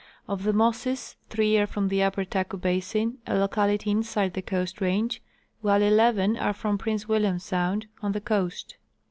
Of the mosses, three are from the upper Taku basin, a locality inside the Coast range, while eleven are from Prince William sound, on the coast.